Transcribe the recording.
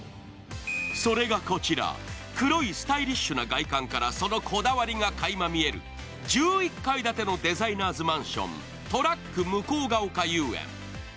それがこちら、黒いスタイリッシュな外観からそのこだわりがかいま見える、１１階建てのデザイナーズマンション、ＴＲＡＣＫ向ヶ丘遊園。